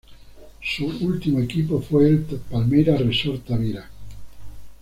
Su último equipo fue el Palmeiras Resort-Tavira.